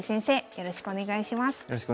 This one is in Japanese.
よろしくお願いします。